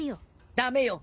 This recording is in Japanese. ダメよ。